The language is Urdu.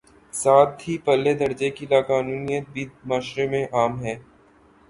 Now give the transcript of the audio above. ساتھ ہی پرلے درجے کی لا قانونیت بھی معاشرے میں عام ہے۔